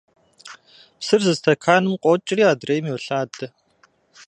Псыр зы стэканым къокӀри адрейм йолъадэ.